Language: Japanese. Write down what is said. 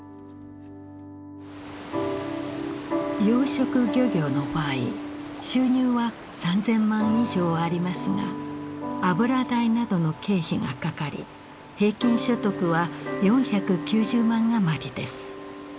養殖漁業の場合収入は３，０００万以上ありますが油代などの経費がかかり平均所得は４９０万余りです。